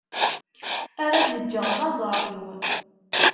Ara d-ğğeɣ d aẓar-iw.